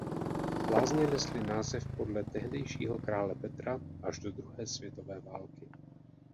Lázně nesly název podle tehdejšího krále Petra až do druhé světové války.